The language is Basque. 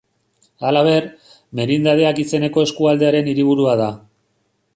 Halaber, Merindadeak izeneko eskualdearen hiriburua da.